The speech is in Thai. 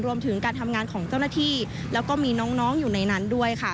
รวมถึงการทำงานของเจ้าหน้าที่แล้วก็มีน้องอยู่ในนั้นด้วยค่ะ